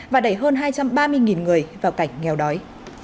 và đẩy hơn hai trăm ba mươi người vào cảnh nghèo đói